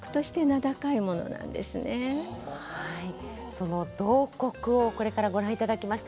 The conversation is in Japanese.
その「慟哭」をこれからご覧いただきます。